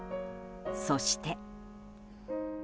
そして。